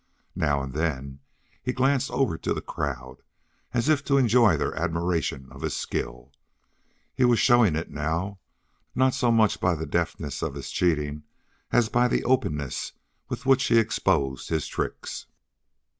Now and then he glanced over to the crowd, as if to enjoy their admiration of his skill. He was showing it now, not so much by the deftness of his cheating as by the openness with which he exposed his tricks.